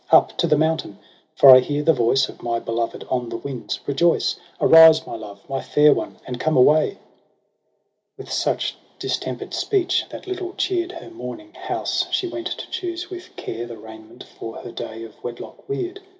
Up to the mountain ! for I hear the voice Of my beloved on the winds. Rejoice ^ Arise J my love^ my fair one^ and come away !' 9z EROS ^ PSYCHE i8 With such distemper'd speech, that Httle cheer'd Her mourning house, she went to choose with care The raiment for her day of wedlock weird.